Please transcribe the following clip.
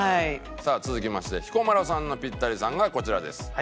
さあ続きまして彦摩呂さんのピッタリさんがこちらです。